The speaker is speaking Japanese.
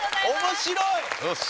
面白い！